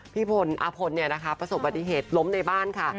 พลอาพลประสบปฏิเหตุล้มในบ้านค่ะ